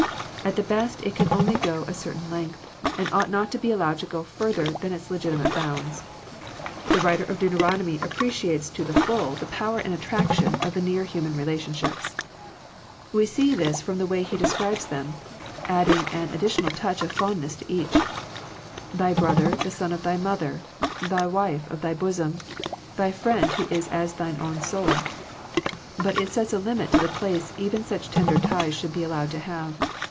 At the best it can only go a certain length, and ought not to be allowed to go further than its legitimate bounds. The writer of Deu teronomy appreciated to the full the 198 Digitized by VjOOQIC THE LIMITS OF FRIENDSHIP power and attraction of the near human relationships. We see this from the way he describes them, adding an ad ditional touch of fondness to each, "thy brother the son of thy mother, the wife of thy bosom, thy friend who is as thine own soul." But it sets a limit to the place even such tender ties should be allowed to have.